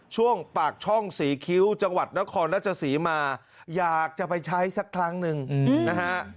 ช่วงปากช่องศรีคิ้วจังหวัดนครราชศรีมาอยากจะไปใช้สักครั้งหนึ่งนะฮะ